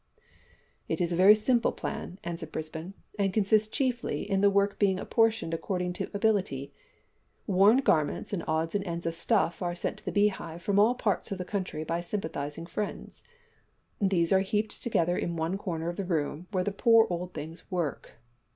"It is a very simple plan," answered Brisbane, "and consists chiefly in the work being apportioned according to ability. Worn garments and odds and ends of stuff are sent to the Beehive from all parts of the country by sympathising friends. These are heaped together in one corner of the room where the poor old things work.